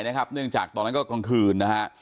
เนื่องจากตอนนั้นก็กลางคืนนะฮะ